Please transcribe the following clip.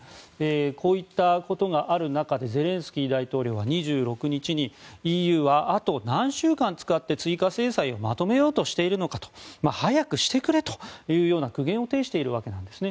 こういったことがある中でゼレンスキー大統領は２６日にＥＵはあと何週間使って追加制裁をまとめようとしているのかと。早くしてくれと苦言を呈しているわけです。